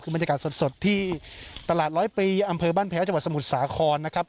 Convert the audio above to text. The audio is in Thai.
คือบรรยากาศสดสดที่ตลาดร้อยปีอำเจ้าบ้านแผลเจาะสมุทรสาครนะครับ